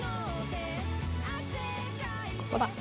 ここだ！